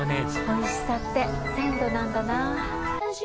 おいしさって鮮度なんだな。